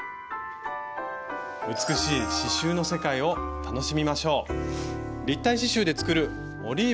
美しい刺しゅうの世界を楽しみましょう！